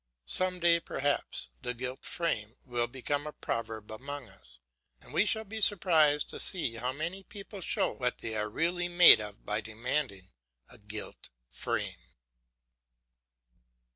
Some day perhaps "the gilt frame" will become a proverb among us, and we shall be surprised to find how many people show what they are really made of by demanding a gilt frame.